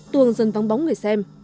tuồng dần vắng bóng người xem